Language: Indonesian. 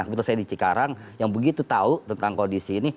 begitu saya di cikarang yang begitu tahu tentang kondisi ini